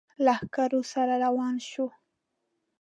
لښکرو سره روان شو.